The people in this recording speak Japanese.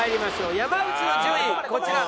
山内の順位こちら。